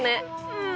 うん。